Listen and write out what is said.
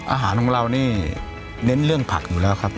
อาหารของเรานี่เน้นเรื่องผักอยู่แล้วครับ